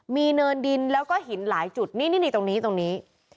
มีเนินดินแล้วก็หินหลายจุดนี่นี่ตรงนี้ตรงนี้